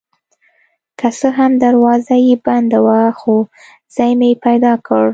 که څه هم دروازه یې بنده وه خو ځای مې پیدا کړ.